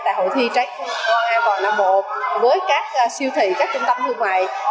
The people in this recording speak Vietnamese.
tại hội thi trái cây ngon an toàn nam bộ với các siêu thị các trung tâm thương mại